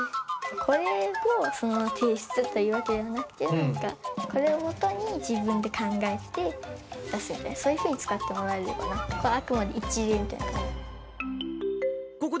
これをそのまま提出というわけではなくて、これを基に、自分で考えて出す、そういうふうに使ってもらえればな、あくまで一例みたいな感じで。